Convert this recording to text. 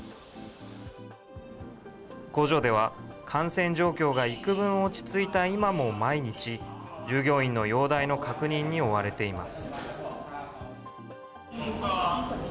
工場では、感染状況がいくぶん落ち着いた今も毎日、従業員の容体の確認に追われています。